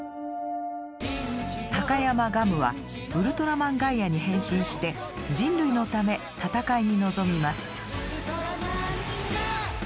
高山我夢はウルトラマンガイアに変身して人類のため戦いに臨みます。